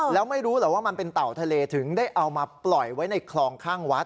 แล้วไม่รู้เหรอว่ามันเป็นเต่าทะเลถึงได้เอามาปล่อยไว้ในคลองข้างวัด